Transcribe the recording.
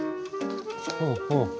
ほうほう。